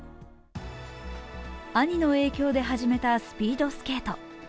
兄の影響で始めたスピードスケート。